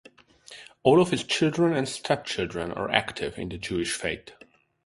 All of his children and stepchildren are active in the Jewish faith.